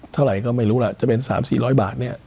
เท่าไหร่ก็ไม่รู้ล่ะจะเป็น๓๔๐๐บาทเนี่ย